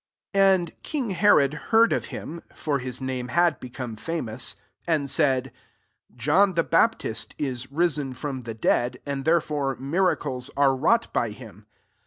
14 Amp king Herod heard of him^ (for his name had become famous,) and said, <' John the Baptist is risen from the dead; and, therefore, miracles are wrought by him."